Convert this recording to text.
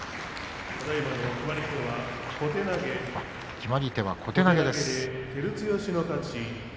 決まり手は小手投げ。